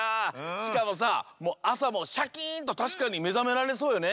しかもさあさもシャキーンとたしかにめざめられそうよね。